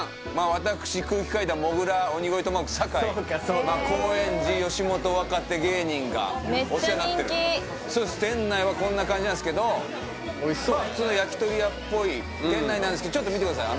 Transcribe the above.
私空気階段もぐら鬼越トマホーク坂井高円寺吉本若手芸人がお世話になってる店内はこんな感じなんですけど普通の焼き鳥屋っぽい店内なんですけどちょっと見てください